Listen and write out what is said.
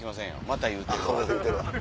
また言うてる。